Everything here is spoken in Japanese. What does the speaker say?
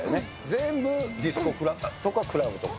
全部、ディスコとかクラブとか。